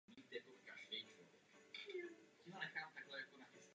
V závěrečných scénách je dítě zobrazeno se svou rodinou.